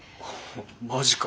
マジか。